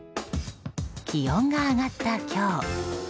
気温が上がった今日。